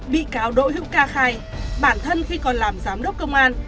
bị cáo đỗ hữu ca khai bản thân khi còn làm giám đốc công an